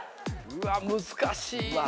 うわ難しいな。